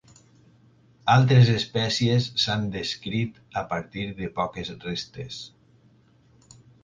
Altres espècies s'han descrit a partir de poques restes.